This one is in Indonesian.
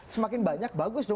semakin banyak bagus dong